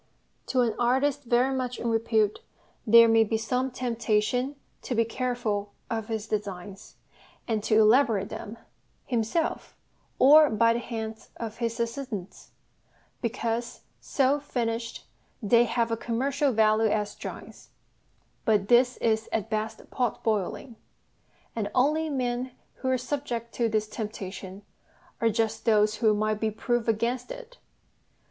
To an artist very much in repute there may be some temptation to be careful of his designs, and to elaborate them (himself, or by the hands of his assistants), because, so finished, they have a commercial value as drawings but this is at best pot boiling; and the only men who are subject to this temptation are just those who might be proof against it.